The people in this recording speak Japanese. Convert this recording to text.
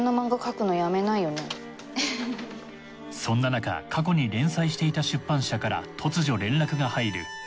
そんななか過去に連載していた出版社から突如連絡が入る。